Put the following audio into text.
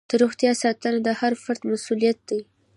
د روغتیا ساتنه د هر فرد مسؤلیت دی.